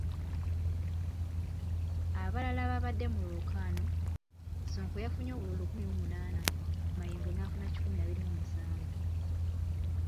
Abalala ababadde mu lwokaano, Ssonko yafunye obululu lukumi ana mu munaana, Mayengo n'afuna kikumi abiri mu musanvu.